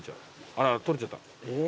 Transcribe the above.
あら取れちゃった。